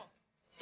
ini ini bar